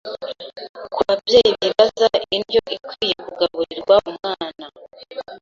Ku babyeyi bibaza indyo ikwiye kugaburirwa umwana